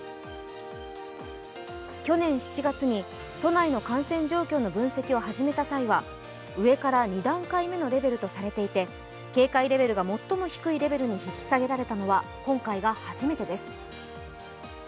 去年７月に都内の感染状況の分析を始めた際は上から２段階目のレベルとされていて最も低いレベルに引き下げられたのは今回が初めてです。